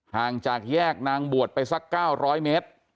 ห่างจากแยกนางบวชไปสัก๙๐๐เมตร